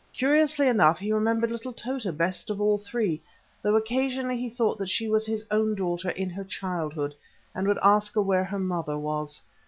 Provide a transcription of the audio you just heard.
Curiously enough he remembered little Tota best of all three, though occasionally he thought that she was his own daughter in her childhood, and would ask her where her mother was.